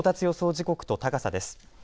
時刻と高さです。